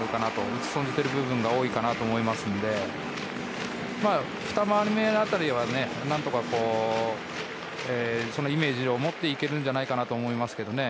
打ち損じている部分が多いかなと思いますので二回り目の辺りは何とかそのイメージを持っていけるんじゃないかと思いますけどね。